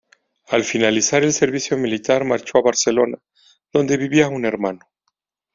Al finalizar el servicio militar marchó a Barcelona, donde vivía un hermano.